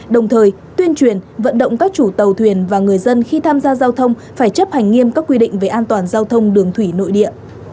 đồng thời tuyên truyền vận động các chủ tàu thuyền và người dân khi tham gia giao thông phải chấp hành nghiêm các quy định về an toàn giao thông đường thủy nội địa